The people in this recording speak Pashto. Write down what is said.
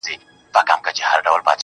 زه به دا ټول كندهار تاته پرېږدم,